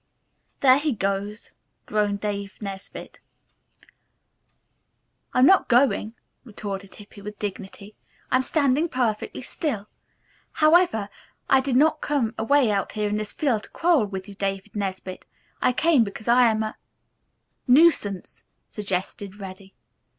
"There he goes," groaned Dave Nesbit. "I'm not going," retorted Hippy, with dignity. "I'm standing perfectly still. However, I did not come away out here in this field to quarrel with you, David Nesbit. I came because I am a " "Nuisance," suggested Reddy.